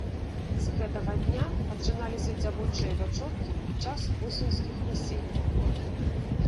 З гэтага дня пачыналіся дзявочыя вячоркі і час восеньскіх вяселляў.